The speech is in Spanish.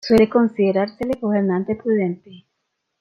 Suele considerársele gobernante prudente.